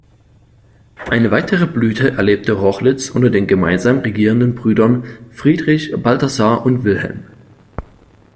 Eine weitere Blüte erlebte Rochlitz unter den gemeinsam regierenden Brüdern Friedrich, Balthasar und Wilhelm.